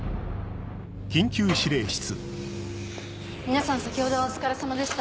皆さん先ほどはお疲れさまでした。